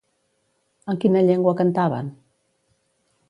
En quina llengua cantaven?